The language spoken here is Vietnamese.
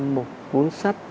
một cuốn sách